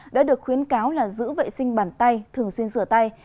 đã được khuyến cáo là giữ vệ sinh bàn tay thường xuyên rửa tay